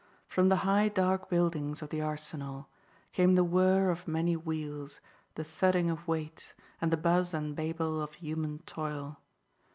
From the high dark buildings of the arsenal came the whirr of many wheels, the thudding of weights, and the buzz and babel of human toil.